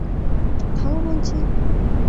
থামো বলছি!